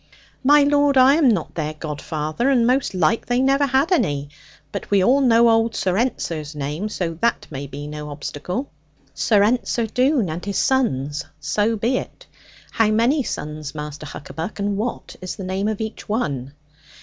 'My lord, I am not their godfather; and most like they never had any. But we all know old Sir Ensor's name, so that may be no obstacle.' 'Sir Ensor Doone and his sons so be it. How many sons, Master Huckaback, and what is the name of each one?'